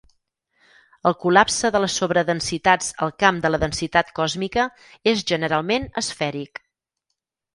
El col·lapse de les sobredensitats al camp de la densitat còsmica és generalment asfèric.